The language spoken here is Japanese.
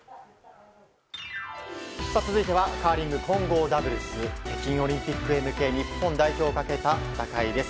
続いては、カーリング混合ダブルス北京オリンピックへ向け日本代表をかけた戦いです。